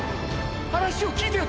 話を聞いてよ